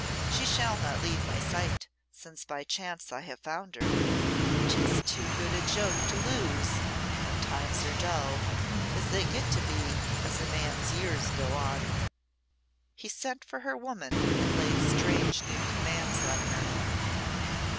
She shall not leave my sight, since by chance I have found her. 'Tis too good a joke to lose, when times are dull, as they get to be as a man's years go on." He sent for her woman and laid strange new commands on her.